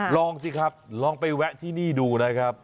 ลองสิครับลองไปแวะที่นี่ดูนะครับ